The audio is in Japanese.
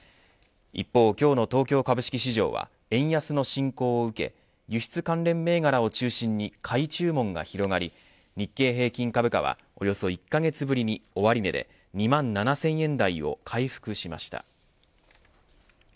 一方、今日の東京株式市場は円安の進行を受け輸出関連銘柄を中心に買い注文が広がり日経平均株価はおよそ１カ月ぶりに終値で２万７０００円台を回復しました。